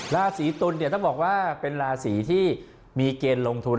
ราศีตุลเนี่ยต้องบอกว่าเป็นราศีที่มีเกณฑ์ลงทุน